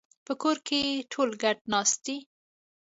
په کور کې ټول ګډ ناست دي